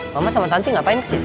mama sama tante ngapain kesini